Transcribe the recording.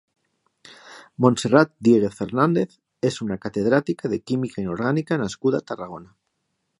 Montserrat Diéguez Fernández és una catedràtica de Química inorgànica nascuda a Tarragona.